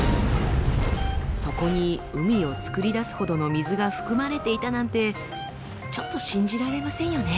そこに海をつくり出すほどの水が含まれていたなんてちょっと信じられませんよね。